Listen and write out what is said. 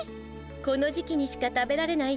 この時期にしか食べられない